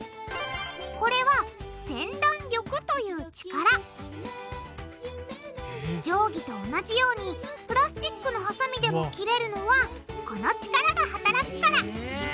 これは「せんだん力」という力定規と同じようにプラスチックのハサミでも切れるのはこの力が働くから。